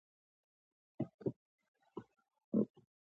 خلکو وروسته د سټیونز سړک باله.